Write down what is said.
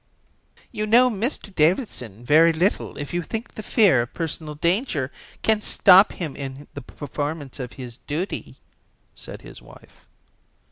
"You know Mr Davidson very little if you think the fear of personal danger can stop him in the performance of his duty," said his wife.